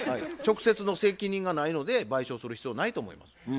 直接の責任がないので賠償する必要ないと思います。